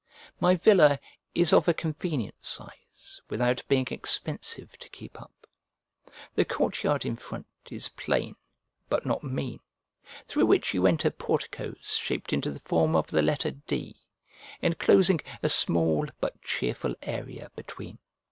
My villa is of a convenient size without being expensive to keep up. The courtyard in front is plain, but not mean, through which you enter porticoes shaped into the form of the letter D, enclosing a small but cheerful area between.